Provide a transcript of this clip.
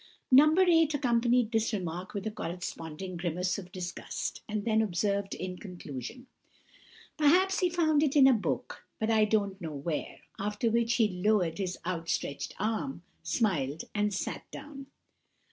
No. 8 accompanied this remark with a corresponding grimace of disgust, and then observed in conclusion:— "Perhaps he found it in a book, but I don't know where," after which he lowered his outstretched arm, smiled, and sat down.